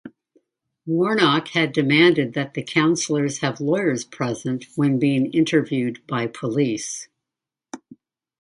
Warnock had demanded that the counselors have lawyers present when being interviewed by police.